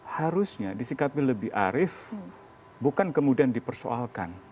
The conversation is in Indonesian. harusnya disikapi lebih arif bukan kemudian dipersoalkan